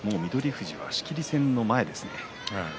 富士は仕切り線の前です。